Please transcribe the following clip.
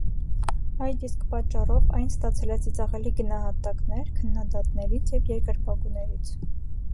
Այդ իսկ պատճառով այն ստացել է ծիծաղելի գնահատակներ քննադատներից և երկրպագուներից։